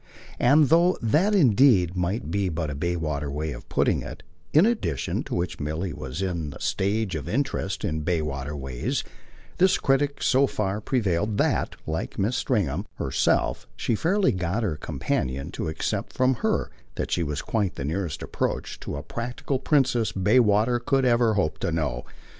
And though that indeed might be but a Bayswater way of putting it, in addition to which Milly was in the stage of interest in Bayswater ways, this critic so far prevailed that, like Mrs. Stringham herself, she fairly got her companion to accept from her that she was quite the nearest approach to a practical princess Bayswater could hope ever to know.